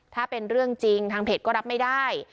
ถ้าเป็นเรื่องจริงทางเพจก็รับไม่ได้